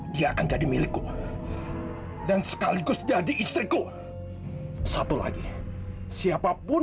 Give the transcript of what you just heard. dia akan jadi milik buka dan sekaligus jadi istriku media satu lagi siapapun